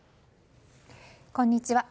こんにちは。